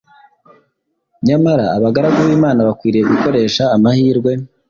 Nyamara abagaragu b’Imana bakwiriye gukoresha amahirwe